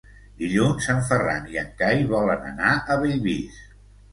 Dilluns en Ferran i en Cai volen anar a Bellvís.